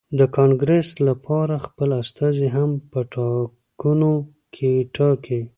د کانګرېس لپاره خپل استازي هم په ټاکنو کې ټاکي.